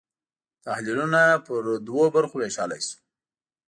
تحلیلونه پر دوو برخو وېشلای شو.